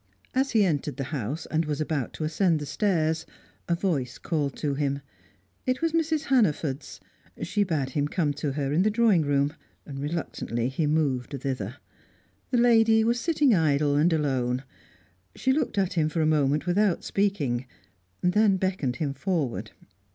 As he entered the house and was about to ascend the stairs, a voice called to him. It was Mrs. Hannaford's; she bade him come to her in the drawing room. Reluctantly he moved thither. The lady was sitting idle and alone; she looked at him for a moment without speaking, then beckoned him forward.